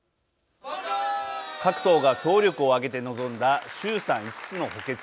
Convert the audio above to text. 各党が総力を挙げて臨んだ衆参５つの補欠選挙。